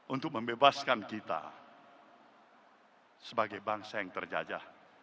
untuk membebaskan kita sebagai bangsa yang terjajah